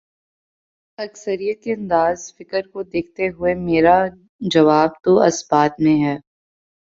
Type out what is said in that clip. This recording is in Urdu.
اکثریت کے انداز فکر کو دیکھتے ہوئے، میرا جواب تو اثبات میں ہے۔